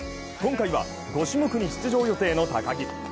今回は５種目に出場予定の高木。